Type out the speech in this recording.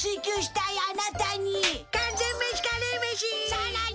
さらに！